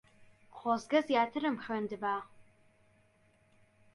خۆزگە زیاترم خوێندبا.